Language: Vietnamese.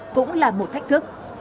cũng là một thách thức